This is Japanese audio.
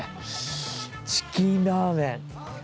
チキンラーメン！